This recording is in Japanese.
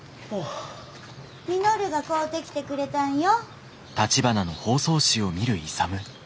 稔が買うてきてくれたんよ。